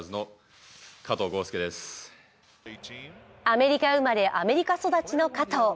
アメリカ生まれ、アメリカ育ちの加藤。